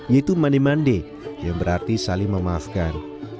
yaitu mandi mandi yang berarti saling memaafkan